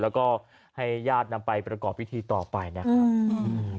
แล้วก็ให้ญาตินำไปประกอบพิธีต่อไปนะครับอืม